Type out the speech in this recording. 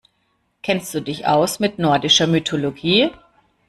Kennst du dich aus mit nordischer Mythologie?